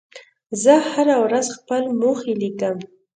زه هره ورځ خپل موخې لیکم.